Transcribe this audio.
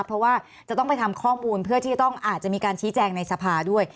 เพราะว่าจะต้องไปทำข้อมูลเพื่อที่จะต้องอาจจะมีการชี้แจงในสภาด้วย